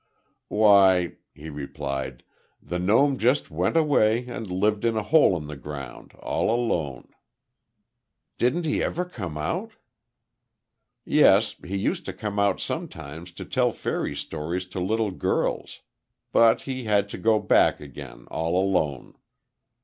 "Why," he replied, "the gnome just went away and lived in a hole in the ground, all alone." "Didn't he ever come out?" "Yes; he used to come out sometimes to tell fairy stories to little girls. But he had to go back again, all alone."